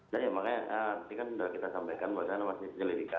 ya ya makanya ini kan sudah kita sampaikan bahwa ini masih penyelidikan